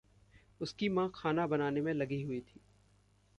उसकी माँ खाना बनाने में लगी हुई थी।